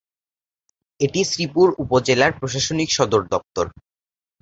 এটি শ্রীপুর উপজেলার প্রশাসনিক সদরদপ্তর।